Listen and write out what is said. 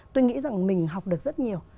tôi nghĩ rằng mình học được rất nhiều